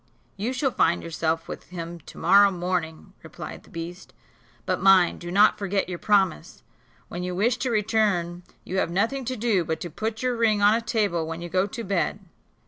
"You shall find yourself with him to morrow morning," replied the beast; "but mind, do not forget your promise. When you wish to return you have nothing to do but to put your ring on a table when you go to bed.